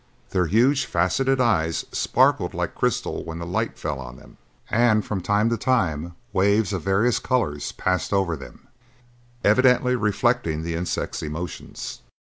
Their huge faceted eyes sparkled like crystal when the light fell on them, and from time to time waves of various colors passed over them, evidently reflecting the insect's emotions.